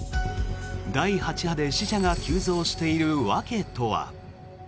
第８波で死者が急増している訳とは。